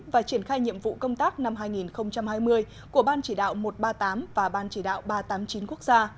và triển khai nhiệm vụ công tác năm hai nghìn hai mươi của ban chỉ đạo một trăm ba mươi tám và ban chỉ đạo ba trăm tám mươi chín quốc gia